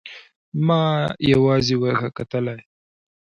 او ما يوازې ورته کتلای.